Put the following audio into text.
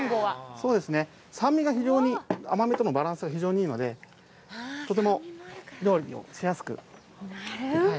そうですね、酸味が非常に、甘みとのバランスが非常にいいので、とても料理がしやすく。